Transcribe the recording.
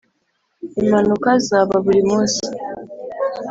impanuka zibaburimunsi.